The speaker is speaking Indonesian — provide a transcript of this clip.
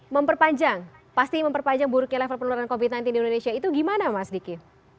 memperpanjang pasti memperpanjang buruknya level penularan covid sembilan belas di indonesia itu gimana mas diki